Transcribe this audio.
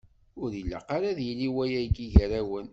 Ur ilaq ara ad yili wayagi gar-awen.